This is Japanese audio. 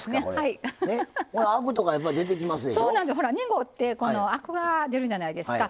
ほら濁ってこのアクが出るじゃないですか。